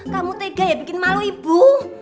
kamu tega ya bikin malu ibu